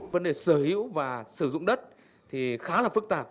vấn đề sở hữu và sử dụng đất thì khá là phức tạp